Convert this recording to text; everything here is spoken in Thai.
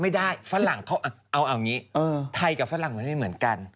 ฝรั่งเขาเอาอย่างนี้ไทยกับฝรั่งมันไม่เหมือนกัน